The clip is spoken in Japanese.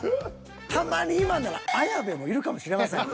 たまに今なら綾部もいるかもしれません。